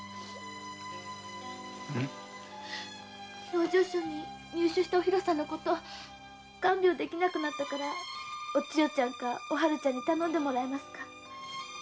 養生所に入ったおひろさんの事看病できなくなったからおちよちゃんかおはるちゃんに頼んでもらえますか？